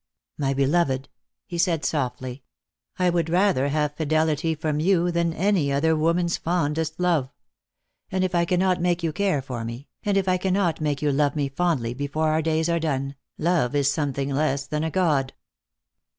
" My beloved," he said softly, " I would rather have fidelity from you than any other woman's fondest love. And if I cannot make you care for me, and if I cannot make you love me fondly before our days are done, love is something less than a god."